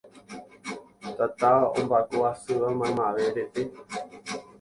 Tata ombyaku asýva maymave rete